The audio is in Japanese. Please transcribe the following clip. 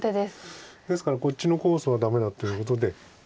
ですからこっちのコースがダメだということで。